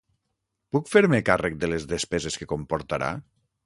Puc fer-me càrrec de les despeses que comportarà?